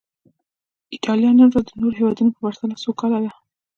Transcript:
ایټالیا نن ورځ د نورو هېوادونو په پرتله سوکاله ده.